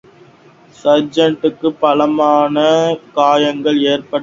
சார்ஜெண்டுக்கு பலமான காயங்கள் ஏற்பட்டன.